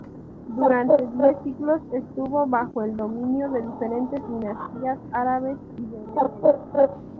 Durante diez siglos estuvo bajo el dominio de diferentes dinastías árabes y bereberes.